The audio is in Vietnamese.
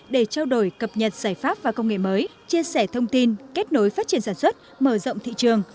để trao đổi cập nhật giải pháp và công nghệ mới chia sẻ thông tin kết nối phát triển sản xuất mở rộng thị trường